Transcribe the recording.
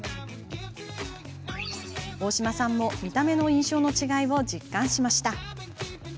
大島さんも見た目の印象の違いを実感しました。